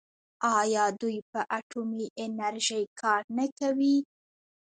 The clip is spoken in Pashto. آیا دوی په اټومي انرژۍ کار نه کوي؟